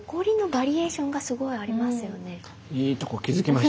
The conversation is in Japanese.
いいとこ気付きましたね